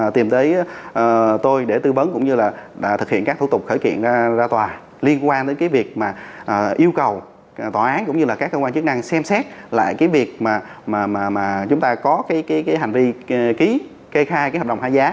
tìm tới tôi để tư vấn cũng như là thực hiện các thủ tục khởi kiện ra tòa liên quan đến cái việc mà yêu cầu tòa án cũng như là các cơ quan chức năng xem xét lại cái việc mà chúng ta có cái hành vi ký kê khai cái hợp đồng hai giá